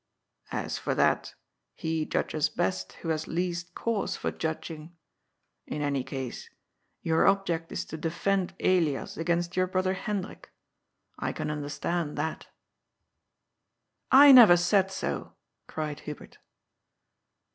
" As for that, he judges best who has least cause for judging. In any case, your object is to defend Elias against your brother Hendrik. I can understand that." ALAS, POOR HUBERT I 377 " I never said so," cried Hubert.